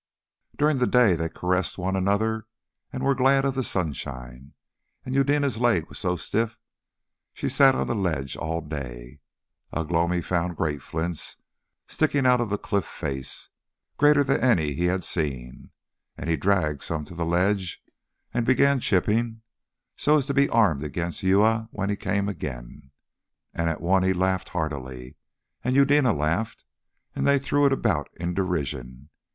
During the day they caressed one another and were glad of the sunshine, and Eudena's leg was so stiff she sat on the ledge all day. Ugh lomi found great flints sticking out of the cliff face, greater than any he had seen, and he dragged some to the ledge and began chipping, so as to be armed against Uya when he came again. And at one he laughed heartily, and Eudena laughed, and they threw it about in derision.